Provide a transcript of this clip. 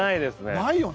ないよね。